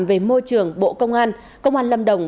về môi trường bộ công an công an lâm đồng